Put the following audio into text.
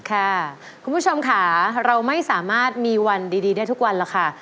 คุณผู้ชมค่ะเราไม่สามารถมีวันดีได้ทุกวันหรอกค่ะ